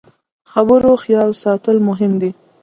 د خبرو خیال ساتل مهم دي